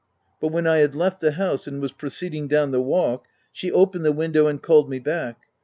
But when I had left the house, and was proceeding down the walk, she opened the window and called me back.